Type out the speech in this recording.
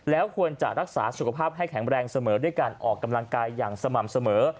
แล้วควรจะรักษาสุขภาพให้แข็งแรงเสมอด้วยการออกกำลังกายอย่างสม่ำเสมอ